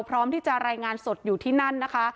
พร้อมที่จะรายงานสดอยู่ที่นั่นนะคะ